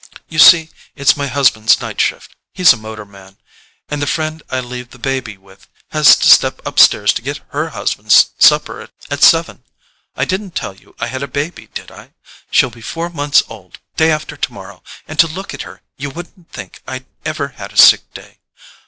"You see, it's my husband's night shift—he's a motor man—and the friend I leave the baby with has to step upstairs to get HER husband's supper at seven. I didn't tell you I had a baby, did I? She'll be four months old day after tomorrow, and to look at her you wouldn't think I'd ever had a sick day.